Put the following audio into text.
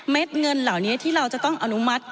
เงินเหล่านี้ที่เราจะต้องอนุมัติ